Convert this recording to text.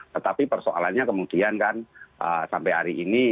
tetapi persoalannya kemudian kan sampai hari ini